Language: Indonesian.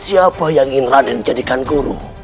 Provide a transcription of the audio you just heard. siapa yang ingin raden jadikan guru